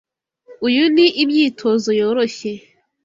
Uyu ni imyitozo yoroshye.